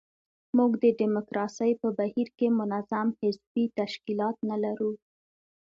موږ د ډیموکراسۍ په بهیر کې منظم حزبي تشکیلات نه لرو.